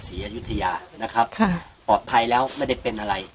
อายุทยานะครับปลอดภัยแล้วไม่ได้เป็นอะไร